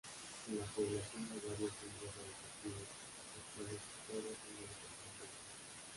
En la población hay varios centros educativos los cuales todos son de educación pública.